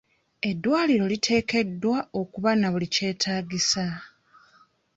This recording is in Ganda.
Eddwaliro liteekeddwa okuba na buli kyetaagisa .